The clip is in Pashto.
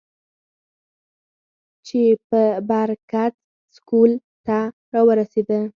چې بر کڅ سکول ته راورسېدۀ ـ